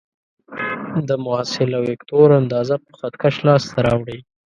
د محصله وکتور اندازه په خط کش لاس ته راوړئ.